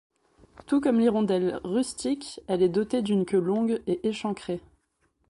Tout comme l'hirondelle rustique, elle est dotée d'une queue longue et échancrée.